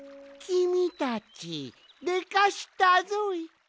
きみたちでかしたぞい！